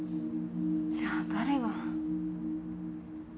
じゃあ誰が。